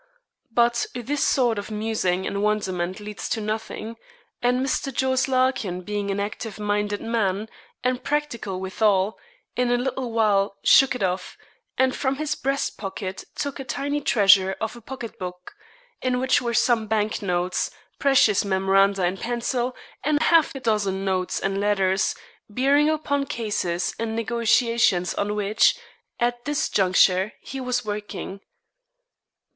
But this sort of musing and wonderment leads to nothing; and Mr. Jos. Larkin being an active minded man, and practical withal, in a little while shook it off, and from his breast pocket took a tiny treasure of a pocket book, in which were some bank notes, precious memoranda in pencil, and half a dozen notes and letters, bearing upon cases and negotiations on which, at this juncture, he was working.